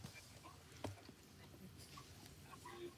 nchi zilizokuwa chini ya ukoloni zilijiunga na bodi hiyo